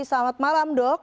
selamat malam dok